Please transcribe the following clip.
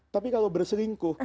tapi kalau berselingkuh